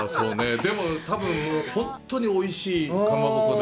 でも、多分、本当においしいかまぼこで。